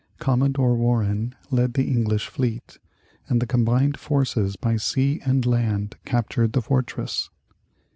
Commodore Warren led the English fleet, and the combined forces by sea and land captured the fortress.